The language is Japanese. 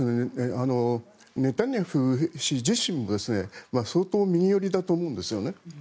ネタニヤフ氏自身も相当、右寄りだと思うんですよね